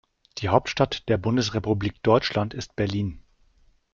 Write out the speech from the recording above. Die Hauptstadt der Bundesrepublik Deutschland ist Berlin